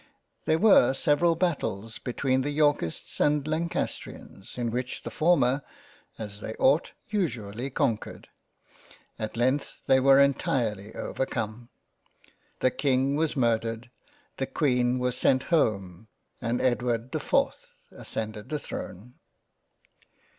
There were several Battles be tween the Yorkists and Lancastrians, in which the former (as they ought) usually conquered. At length they were entirely overcome ; The King was murdered — The Queen was sent home — and Edward the 4th ascended the Throne.